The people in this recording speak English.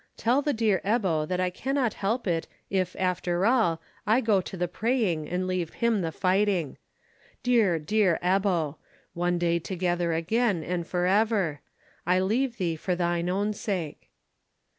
Tell the dear Ebbo that I cannot help it if after all I go to the praying, and leave him the fighting. Dear, dear Ebbo! One day together again and for ever! I leave thee for thine own sake."